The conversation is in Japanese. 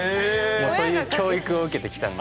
もうそういう教育を受けてきたんで。